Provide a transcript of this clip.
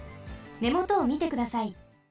ねもとをみてください。